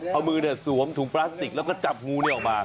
เอามือสวมถุงพลาสติกแล้วก็จับงูออกมา